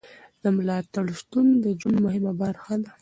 د ملاتړ شتون د ژوند مهمه برخه ده.